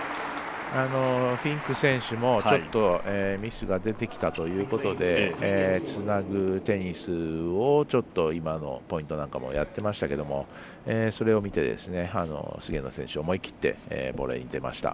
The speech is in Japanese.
フィンク選手もちょっとミスが出てきたということでつなぐテニスを、ちょっと今のポイントなんかもやってましたけれどもそれを見て、菅野選手思い切ってボレーに出ました。